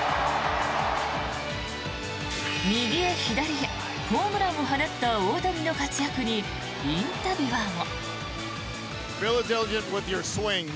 右へ左へホームランを放った大谷の活躍にインタビュアーも。